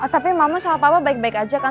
tapi mama sama papa baik baik aja kan